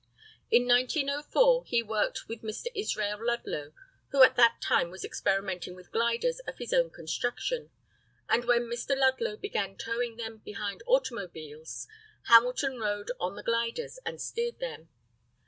In 1904 he worked with Mr. Israel Ludlow, who at that time was experimenting with gliders of his own construction, and when Mr. Ludlow began towing them behind automobiles, Hamilton rode on the gliders and steered them.